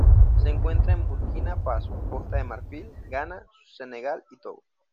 Se encuentra en Burkina Faso, Costa de Marfil, Ghana, Senegal y Togo.